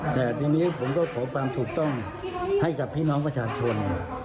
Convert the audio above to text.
แต่ทีนี้ผมก็ขอความถูกต้องให้กับพี่น้องประชาชน